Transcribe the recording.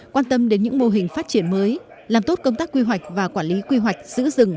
quan tâm đến những mô hình phát triển mới làm tốt công tác quy hoạch và quản lý quy hoạch giữ rừng